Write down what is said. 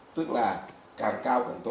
tức là hoạt chất tương đối